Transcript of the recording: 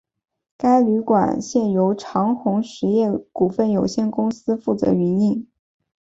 该旅馆现由长鸿荣实业股份有限公司负责营运。